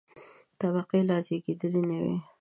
طبقې لا زېږېدلې نه وې.